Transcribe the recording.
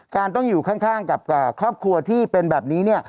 การต้องอยู่ข้างกับครอบครัวที่เป็นแบบนี้เนี่ย